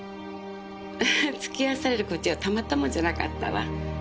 付き合わされるこっちはたまったもんじゃなかったわ。